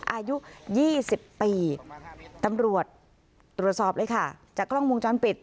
อายุ๒๐ปีตำรวจตรวจสอบเลยค่ะจากกล้องวงจรปิด